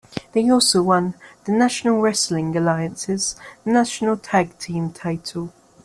They also won the National Wrestling Alliance's National Tag Team title.